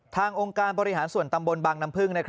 องค์การบริหารส่วนตำบลบางน้ำพึ่ง